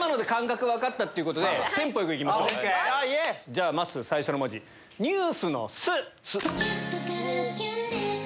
じゃあまっすー最初の文字ＮＥＷＳの「す」。